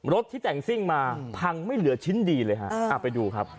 ที่แต่งซิ่งมาพังไม่เหลือชิ้นดีเลยฮะไปดูครับ